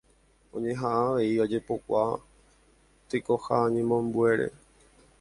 Oñehaʼã avei ojepokuaa tekoha ñemoambuére.